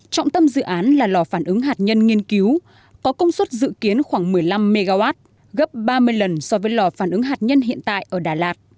trọng tâm dự án là lò phản ứng hạt nhân nghiên cứu có công suất dự kiến khoảng một mươi năm mw gấp ba mươi lần so với lò phản ứng hạt nhân hiện tại ở đà lạt